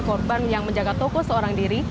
korban yang menjaga toko seorang diri